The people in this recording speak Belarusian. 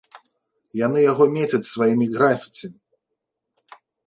Яны яго мецяць сваімі графіці.